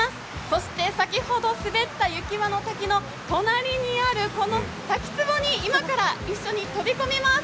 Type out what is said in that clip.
そして先ほど滑った雪輪の滝の隣にあるこの滝つぼに、今から一緒に飛び込みます。